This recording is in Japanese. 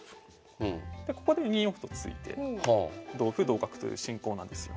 でここで２四歩と突いて同歩同角という進行なんですよ。